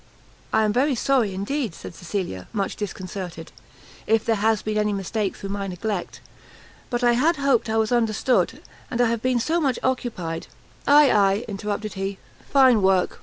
"I am very sorry, indeed," said Cecilia, much disconcerted, "if there has been any mistake through my neglect; but I had hoped I was understood, and I have been so much occupied " "Ay, ay," interrupted he, "fine work!